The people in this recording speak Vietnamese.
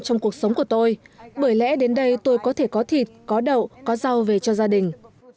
trong cuộc sống của tôi bởi lẽ đến đây tôi có thể có thịt có đậu có rau về cho gia đình